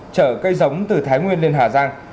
chở cây giống từ thái nguyên lên hà giang